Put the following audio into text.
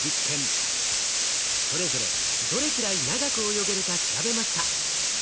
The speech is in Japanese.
それぞれどれくらい長く泳げるか調べました。